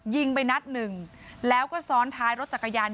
ยิงไปนัดหนึ่งแล้วก็ซ้อนท้ายรถจักรยาน